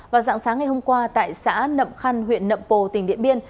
vào dạng sáng ngày hôm qua tại xã nậm khăn huyện nậm pồ tỉnh điện biên